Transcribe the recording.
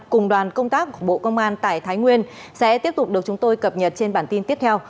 cùng đoàn công tác của bộ công an tại thái nguyên sẽ tiếp tục được chúng tôi cập nhật trên bản tin tiếp theo